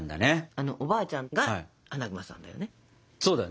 あのおばあちゃんがアナグマさんだよね。